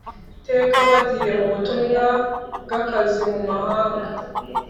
teka bagiye mu butumwa bw akazi mu mahanga